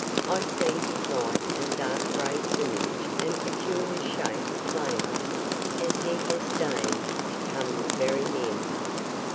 I see his white and dark gray plumage and peculiar shape plainly, as he has deign'd to come very near me.